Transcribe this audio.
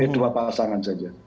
dua pasangan saja